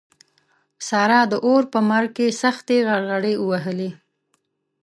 سارا د اور په مرګ کې سختې غرغړې ووهلې.